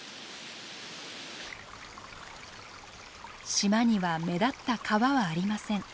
島には目立った川はありません。